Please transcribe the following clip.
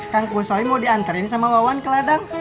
kang gusoy mau diantarin sama kawan ke ladang